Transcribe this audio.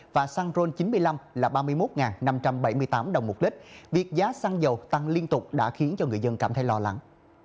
và xăng ron chín mươi năm là ba mươi một năm trăm bảy mươi tám đồng một lít việc giá xăng dầu tăng liên tục đã khiến cho người dân cảm thấy lo lắng